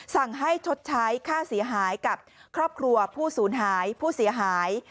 สั่งให้ชดใช้ค่าเสียหายกับครอบครัวผู้สูญหายผู้เสียหาย